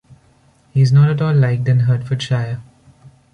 He is not at all liked in Hertfordshire.